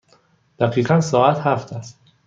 دقیقاً ساعت هفت است.